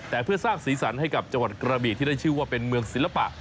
แต่เพื่อสร้างสีสันให้กับจังหวัดกระบีที่ได้ชื่อว่าเป็นเมืองศิลปะ